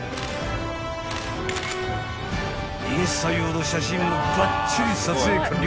［インスタ用の写真もばっちり撮影完了］